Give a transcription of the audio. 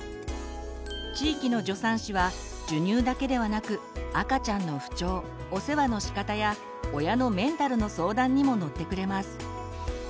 地域の助産師は授乳だけではなく赤ちゃんの不調お世話のしかたや親のメンタルの相談にも乗ってくれます。